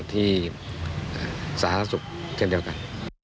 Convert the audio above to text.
สาธารณสุขเช่นเดียวกัน